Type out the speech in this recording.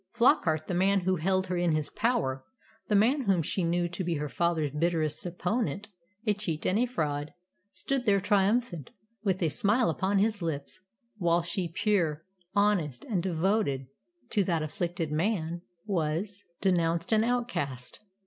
Flockart, the man who held her in his power, the man whom she knew to be her father's bitterest opponent, a cheat and a fraud, stood there triumphant, with a smile upon his lips; while she, pure, honest, and devoted to that afflicted man, was denounced and outcast.